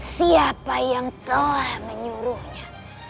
siapa yang telah menyuruhnya